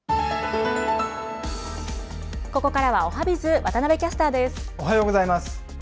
ここからはおはＢｉｚ、おはようございます。